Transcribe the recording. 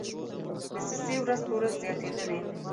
دسیسې ورځ په ورځ زیاتېدلې.